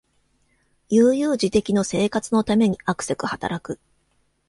悠々自適の生活のためにあくせく働く